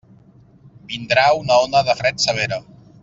Vindrà una ona de fred severa.